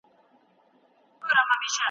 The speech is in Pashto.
هغه تګلاره چي دوی غوره کړي وه، ډېره زیانمنه وه.